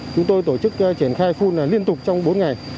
chúng tôi tổ chức triển khai phun liên tục trong bốn ngày